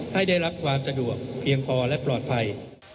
ได้รับความสะดวกเพียงพอและปลอดภัย